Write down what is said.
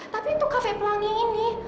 tapi untuk kafe pelangi ini